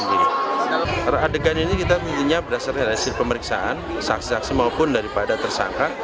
ada lima puluh satu adegan rekonstruksi ini semua berdasarkan daripada hasil pemeriksaan saksi saksi maupun tersangka